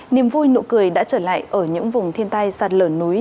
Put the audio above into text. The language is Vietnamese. niềm vui nụ cười đã trở lại ở những vùng thiên tai sạt lở núi